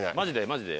マジで？